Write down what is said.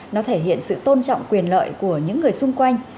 nó thể hiện sự tôn trọng quyền lợi của những người xung quanh